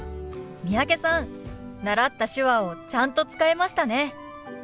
三宅さん習った手話をちゃんと使えましたね。